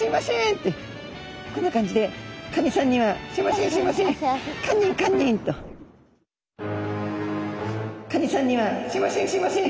こんな感じでカニさんには「すいませんすいません」。